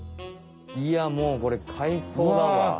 いやもうこれ海藻だわ。